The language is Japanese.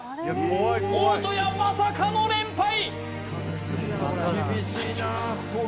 大戸屋まさかの連敗！